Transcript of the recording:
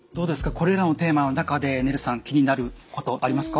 これらのテーマの中でねるさん気になることありますか？